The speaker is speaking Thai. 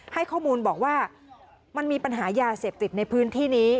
ให้ข้อมูลบอกว่ามันมีปัญหายาเสพติดในพื้นที่นี้